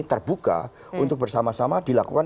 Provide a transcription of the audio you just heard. terbuka untuk bersama sama dilakukan